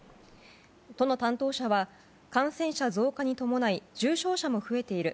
都の担当者は感染者増加に伴い重症者も増えている。